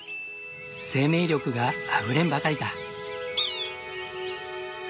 生命力があふれんばかりだ。